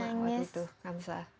berapa lama waktu itu kamsa